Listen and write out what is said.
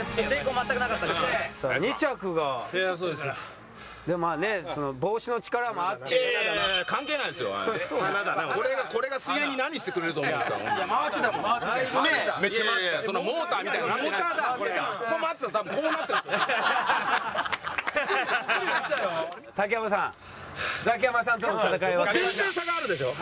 全然差があるでしょ？